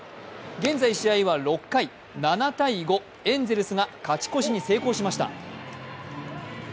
現在試合は６回、７−５、エンゼルスが勝ち越しに成功しました。